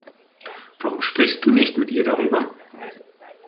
Warum sprichst du nicht mit ihr darüber?